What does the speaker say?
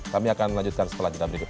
kami akan lanjutkan setelah jeda berikut